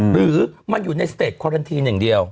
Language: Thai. หรือมันอยู่ในสเตจคอลันทีนอย่างเดียว